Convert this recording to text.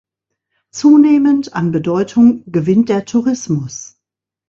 Zunehmend an Bedeutung gewinnt der Tourismus.